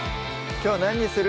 きょう何にする？